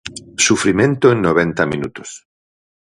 Sufrimento en noventa minutos.